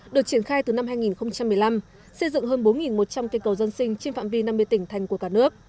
được triển khai từ năm hai nghìn một mươi năm xây dựng hơn bốn một trăm linh cây cầu dân sinh trên phạm vi năm mươi tỉnh thành của cả nước